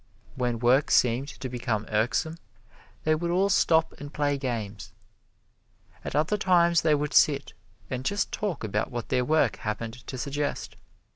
When work seemed to become irksome they would all stop and play games. At other times they would sit and just talk about what their work happened to suggest.